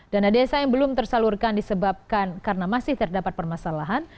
dana desa yang belum tersalurkan disebabkan karena masih terdapat permasalahan